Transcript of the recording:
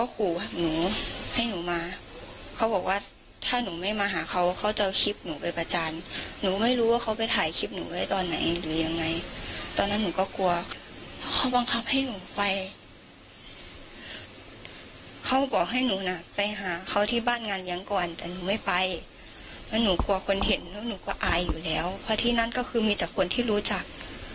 คุณเห็นแล้วหนูก็อายอยู่แล้วเพราะที่นั่นก็คือมีแต่คนที่รู้จัก